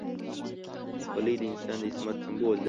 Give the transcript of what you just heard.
خولۍ د انسان د عظمت سمبول ده.